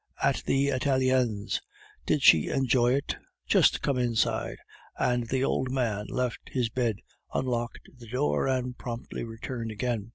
"At the Italiens." "Did she enjoy it?.... Just come inside," and the old man left his bed, unlocked the door, and promptly returned again.